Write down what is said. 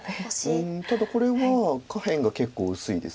ただこれは下辺が結構薄いです。